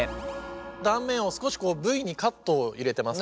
断面を少しＶにカットを入れてます。